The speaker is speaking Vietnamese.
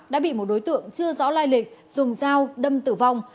đã bị một đối tượng chưa rõ lai lịch dùng dao đâm tử vong